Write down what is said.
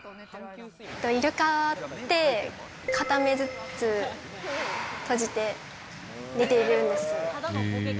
イルカって、片目ずつ閉じて寝ているんです。